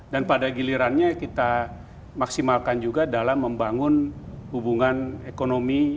dan pada gilirannya kita maksimalkan juga dalam membangun hubungan ekonomi